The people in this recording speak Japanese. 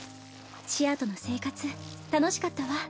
シアとの生活楽しかったわ。